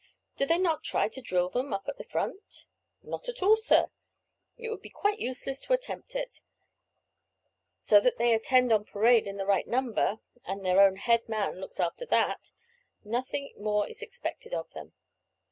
"Do they not try to drill them up at the front?" "Not at all, sir. It would be quite useless to attempt it. So that they attend on parade in the right number and their own head man looks after that nothing more is expected of them.